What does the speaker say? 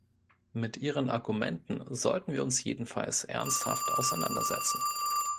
Mit ihren Argumenten sollten wir uns jedenfalls ernsthaft auseinandersetzen.